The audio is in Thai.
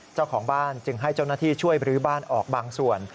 เจ้าของบ้านจึงให้เจ้าหน้าที่ช่วยบรื้อบ้านออกบางส่วน